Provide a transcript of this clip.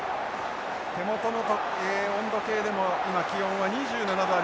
手元の温度計でも今気温は２７度あります。